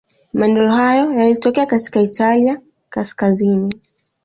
Maendeleo hayo yalitokea katika Italia kaskazini.